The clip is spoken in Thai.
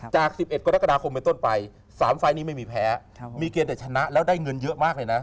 จาก๑๑กรกฎาคมเป็นต้นไป๓ไฟล์นี้ไม่มีแพ้มีเกณฑ์แต่ชนะแล้วได้เงินเยอะมากเลยนะ